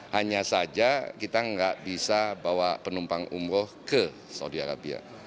hanya saja kita nggak bisa bawa penumpang umroh ke saudi arabia